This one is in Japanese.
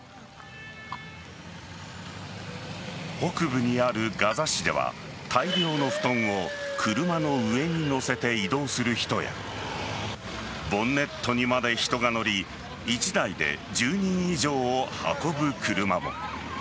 北部にあるガザ市では大量の布団を車の上に載せて移動する人やボンネットにまで人が乗り１台で１０人以上を運ぶ車も。